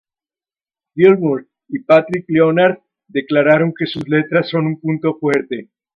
Gilmour y Patrick Leonard declararon que sus letras son un punto fuerte.